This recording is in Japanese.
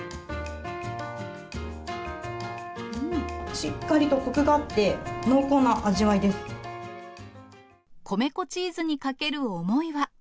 しっかりとこくがあって、米粉チーズにかける思いは。